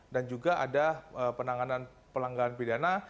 dan juga ada penanganan pelanggaran pidana